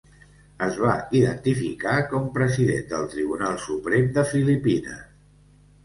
Es va identificar com President del Tribunal Suprem de Filipines.